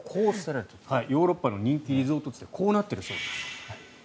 ヨーロッパの人気リゾート地でこうなっているそうです。